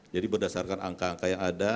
jadi berdasarkan angka angka yang ada